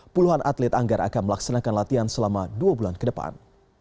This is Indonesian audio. puluhan atlet anggar akan melaksanakan latihan selama dua bulan ke depan